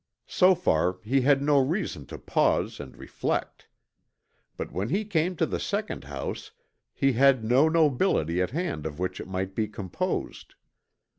So far he had no reason to pause and reflect. But when he came to the second house, he had no nobility at hand of which it might be composed.